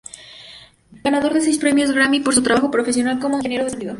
Ganador de seis Premios Grammy por su trabajo profesional como ingeniero de sonido.